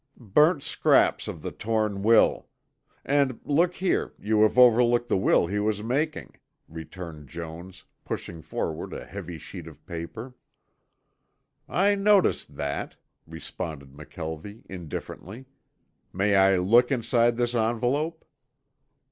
"Burnt scraps of the torn will. And look here, you have overlooked the will he was making," returned Jones, pushing forward a heavy sheet of paper. "I noticed that," responded McKelvie indifferently. "May I look inside this envelope?"